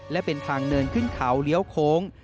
และเป็นทางเดินขึ้นเขาเลี้ยวโค้ง